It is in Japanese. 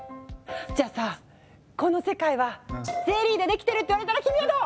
じゃあさこの世界はゼリーでできてるって言われたら君はどう？